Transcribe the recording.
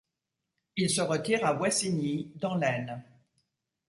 Il se retire à Wassigny, dans l’Aisne.